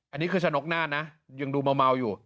อันนี้คือชะนกหน้านะยังดูเมาอยู่